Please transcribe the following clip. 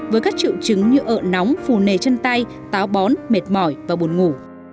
với các triệu chứng như ợ nóng phù nề chân tay táo bón mệt mỏi và buồn ngủ